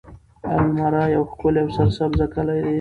المره يو ښکلی او سرسبزه کلی دی.